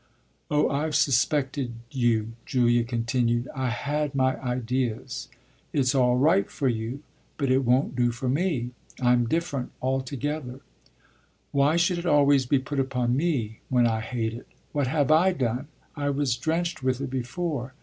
Oh I've suspected you," Julia continued, "I had my ideas. It's all right for you, but it won't do for me: I'm different altogether. Why should it always be put upon me when I hate it? What have I done? I was drenched with it before."